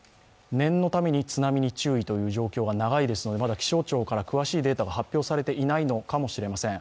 念のために津波に注意という状況が長いですのでまだ気象庁から詳しいデータが発表されていないのかもしれません。